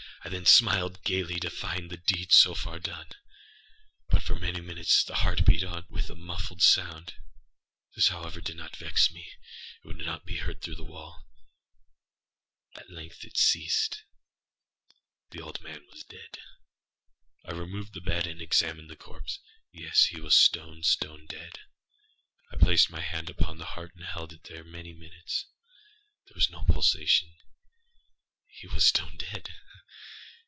I then smiled gaily, to find the deed so far done. But, for many minutes, the heart beat on with a muffled sound. This, however, did not vex me; it would not be heard through the wall. At length it ceased. The old man was dead. I removed the bed and examined the corpse. Yes, he was stone, stone dead. I placed my hand upon the heart and held it there many minutes. There was no pulsation. He was stone dead.